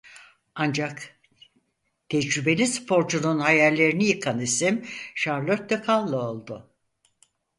Ancak tecrübeli sporcunun hayallerini yıkan isim Charlotte Kalla oldu.